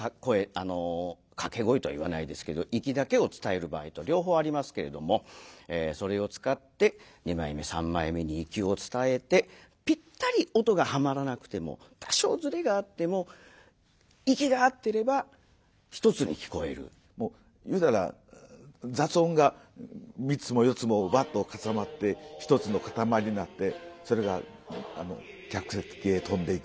掛け声とは言わないですけどイキだけを伝える場合と両方ありますけれどもそれを使って二枚目三枚目にイキを伝えてぴったり音がはまらなくても多少ずれがあってももういうたら雑音が３つも４つもわっと重なって１つのかたまりになってそれが客席へ飛んでいく。